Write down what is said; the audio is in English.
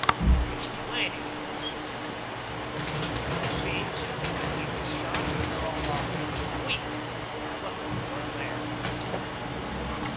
"It's Delaney," said Cutter. "It seems that when he was shot he crawled off into the wheat. They are looking for him there."